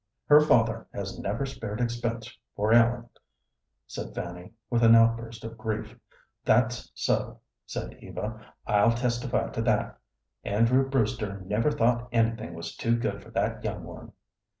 "Her father has never spared expense for Ellen," said Fanny, with an outburst of grief. "That's so," said Eva. "I'll testify to that. Andrew Brewster never thought anything was too good for that young one."